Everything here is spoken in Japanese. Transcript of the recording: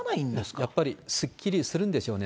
やっぱり、すっきりするんでしょうね。